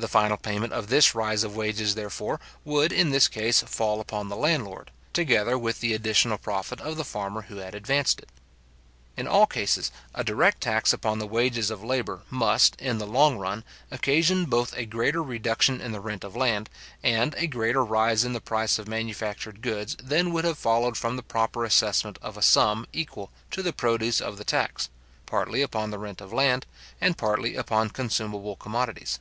The final payment of this rise of wages, therefore, would, in this case, fall upon the landlord, together with the additional profit of the farmer who had advanced it. In all cases, a direct tax upon the wages of labour must, in the long run, occasion both a greater reduction in the rent of land, and a greater rise in the price of manufactured goods than would have followed from the proper assessment of a sum equal to the produce of the tax, partly upon the rent of land, and partly upon consumable commodities.